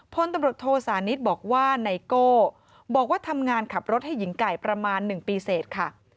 พลตำรวจโทสานิทบอกว่าไนโก้บอกว่าทำงานขับรถให้หญิงไก่ประมาณ๑ปีเสร็จค่ะ